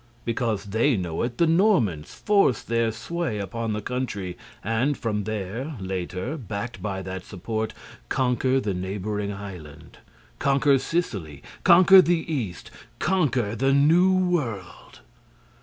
Because they know it, the Normans force their sway upon the country and, from there, later, backed by that support, conquer the neighboring island, conquer Sicily, conquer the East, conquer the new world!